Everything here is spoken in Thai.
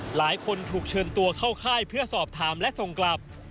หลายคนถูกเชิญตัวเข้าค่ายเพื่อสอบถามและส่งกลับ